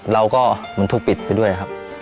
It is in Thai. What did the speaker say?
เราก็เหมือนถูกปิดไปด้วยครับ